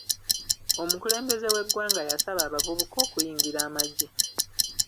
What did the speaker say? Omukulembeze w'eggwanga yasaba abavubuka okuyingira amagye.